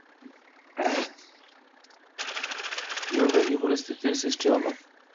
কীভাবে এই পরিস্থিতির সৃষ্টি হলো?